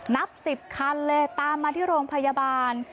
นับ๑๐คันเลยตามมาที่โรงพยาบาล